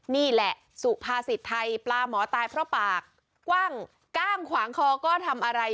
นี่แหละสุภาษิตไทยปลาหมอตายเพราะปากกว้างก้างขวางคอก็ทำอะไร